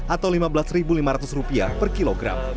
atau rp lima belas lima ratus per kilogram